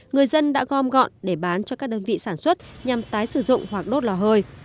người dân đã gom gọn để bán cho các đơn vị sản xuất nhằm tái sử dụng hoặc đốt lò hơi